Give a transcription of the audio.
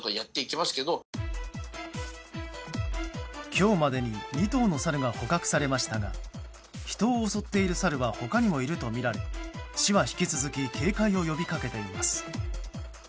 今日までに２頭のサルが捕獲されましたが人を襲っているサルは他にもいるとみられ市は引き続き警戒を呼びかけています。